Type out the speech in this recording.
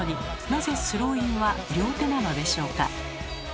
なぜスローインは両手なのでしょうか？